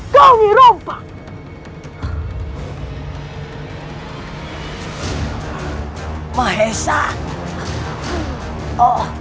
yang ini membolat saya